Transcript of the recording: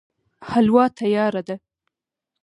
حلوا تياره ده